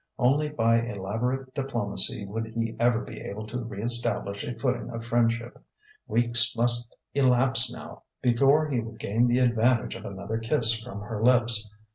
Only by elaborate diplomacy would he ever be able to reëstablish a footing of friendship; weeks must elapse now before he would gain the advantage of another kiss from her lips.